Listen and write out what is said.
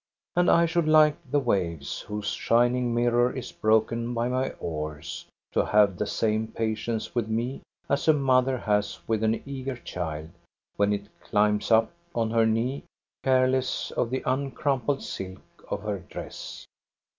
And I should like the waves, whose shining mirror is broken by my oars, to have the same patience with me as a mother has with an eager child when it climbs up on her knee, careless of the uncrumpled silk of her dress.